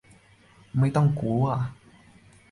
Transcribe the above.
ไม่ต้องกลัว !